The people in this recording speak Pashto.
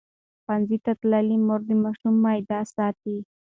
ښوونځې تللې مور د ماشوم معده ساتي.